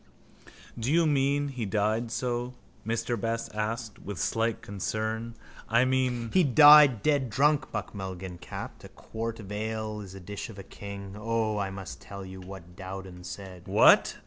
—Do you mean he died so? Mr Best asked with slight concern. I mean... —He died dead drunk, Buck Mulligan capped. A quart of ale is a dish for a king. O, I must tell you what Dowden said! —What?